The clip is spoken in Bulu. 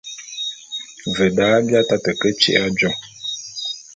Ve da, bi ataté ke tyi'i ajô.